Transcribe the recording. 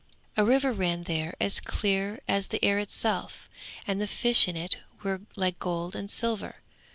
A river ran there as clear as the air itself, and the fish in it were like gold and silver.